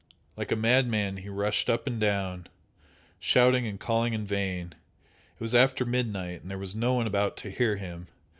Like a madman he rushed up and down, shouting and calling in vain it was after midnight and there was no one about to hear him.